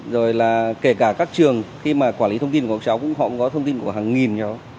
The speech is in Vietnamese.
rồi là kể cả các trường khi mà quản lý thông tin của các cháu cũng họ cũng có thông tin của hàng nghìn nhóm